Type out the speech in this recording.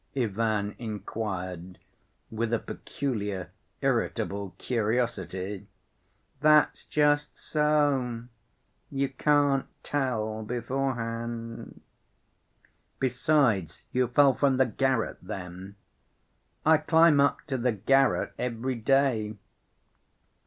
Ivan inquired, with a peculiar, irritable curiosity. "That's just so. You can't tell beforehand." "Besides, you fell from the garret then." "I climb up to the garret every day.